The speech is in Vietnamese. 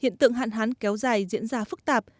lượng hạn hán kéo dài diễn ra phức tạp